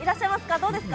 どうですか？